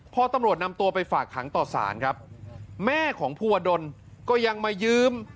พอตำรวจนำตัวไปฝากขังต่อสารครับแม่ของภูวดลก็ยังมายืม